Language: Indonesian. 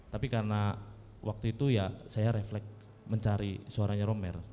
tapi karena waktu itu ya saya refleks mencari suaranya romer